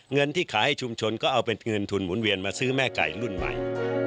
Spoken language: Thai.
เงินที่ขายให้ชุมชนก็เอาเป็นเงินทุนหมุนเวียนมาซื้อแม่ไก่รุ่นใหม่